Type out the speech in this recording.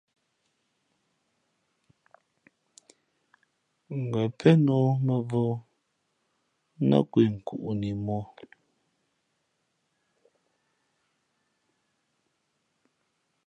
Ngα̌ pén ō mα̌vō nά kwe nkuʼni mǒ.